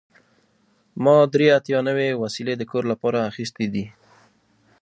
ما درې اتیا نوې وسیلې د کور لپاره اخیستې دي.